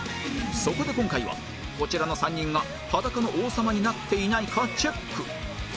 そこで今回はこちらの３人が裸の王様になっていないかチェック